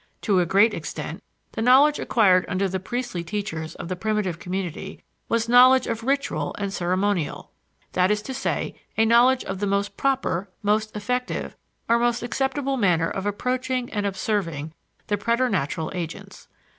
To a great extent, the knowledge acquired under the priestly teachers of the primitive community was knowledge of ritual and ceremonial; that is to say, a knowledge of the most proper, most effective, or most acceptable manner of approaching and of serving the preternatural agents.